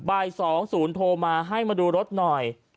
บ่าย๒๐โทรมาให้มาดูรถหน่อย